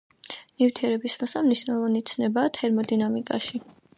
ნივთიერების მასა მნიშვნელოვანი ცნებაა თერმოდინამიკაში.